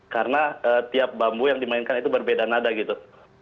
karena tiap bambu yang dimainkan itu berbeda nada gitu